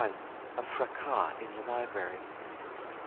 A FRACAS IN THE LIBRARY.